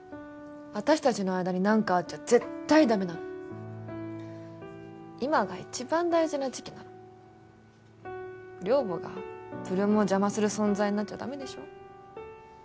私達の間に何かあっちゃ絶対ダメなの今が一番大事な時期なの寮母が８ＬＯＯＭを邪魔する存在になっちゃダメでしょ